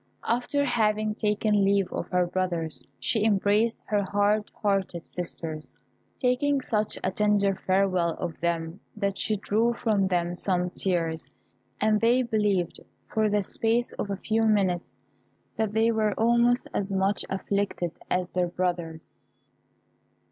After having taken leave of her brothers, she embraced her hard hearted sisters, taking such a tender farewell of them that she drew from them some tears, and they believed, for the space of a few minutes, that they were almost as much afflicted as their brothers.